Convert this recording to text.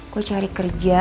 gue cari kerja